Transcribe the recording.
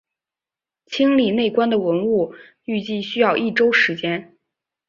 清理内棺的文物预计需要一周时间。